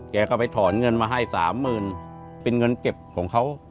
เขาก็ไปถอนเงินมาให้๓๐๐๐๐บาทเป็นเงินเก็บของเขา